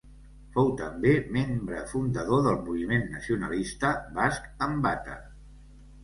Fou també membre fundador del moviment nacionalista basc Enbata.